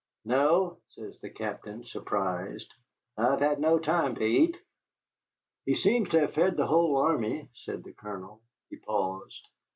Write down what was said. "No," says the Captain, surprised, "I've had no time to eat." "He seems to have fed the whole army," said the Colonel. He paused.